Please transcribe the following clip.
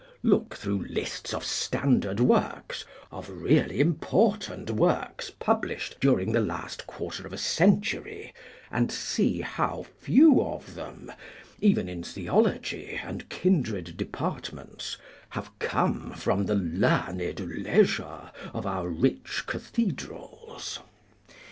Look through lists of standard works, of really important works, published during the last quarter of a century, and see how few of them, even in theology and kindred departments, have come from the "learned leasure" of our rich cathedrals.